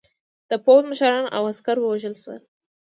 د پوځ مشران او عسکر ووژل شول.